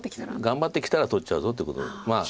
頑張ってきたら取っちゃうぞということ。